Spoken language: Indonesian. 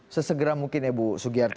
sesegera mungkin ya bu sugiyarti